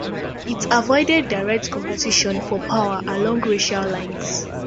It avoided direct competition for power along racial lines.